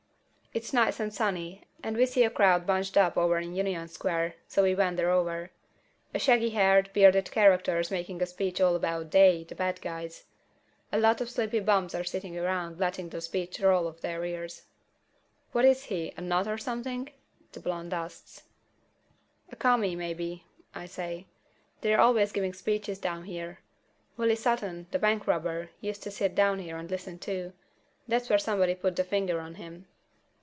It's nice and sunny, and we see a crowd bunched up over in Union Square, so we wander over. A shaggy haired, bearded character is making a speech all about "They," the bad guys. A lot of sleepy bums are sitting around letting the speech roll off their ears. "What is he, a nut or something?" the blonde asks. "A Commie, maybe," I say. "They're always giving speeches down here. Willie Sutton, the bank robber, used to sit down here and listen, too. That's where somebody put the finger on him."